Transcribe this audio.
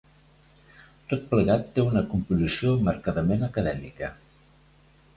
Tot plegat té una composició marcadament acadèmica.